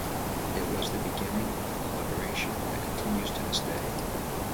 It was the beginning of a collaboration that continues to this day.